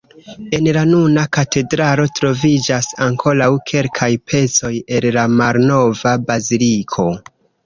En la nuna katedralo troviĝas ankoraŭ kelkaj pecoj el la malnova baziliko.